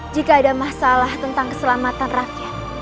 jika ada masalah tentang keselamatan rakyat